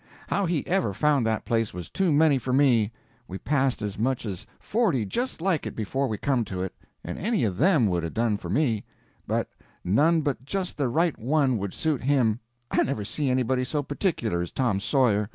How he ever found that place was too many for me. We passed as much as forty just like it before we come to it, and any of them would 'a' done for me, but none but just the right one would suit him; I never see anybody so particular as Tom Sawyer.